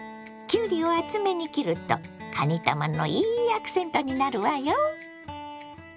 きゅうりを厚めに切るとかにたまのいいアクセントになるわよ。